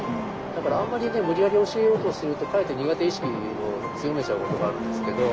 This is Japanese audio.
だからあんまり無理やり教えようとするとかえって苦手意識を強めちゃうことがあるんですけど。